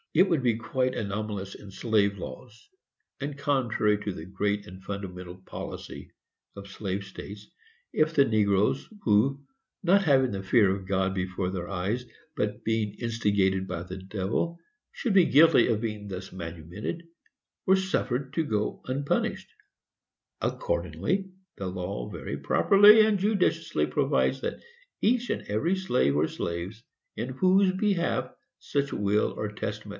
] It would be quite anomalous in slave law, and contrary to the "great and fundamental policy" of slave states, if the negroes who, not having the fear of God before their eyes, but being instigated by the devil, should be guilty of being thus manumitted, were suffered to go unpunished; accordingly, the law very properly and judiciously provides that "each and every slave or slaves in whose behalf such will or testament, &c.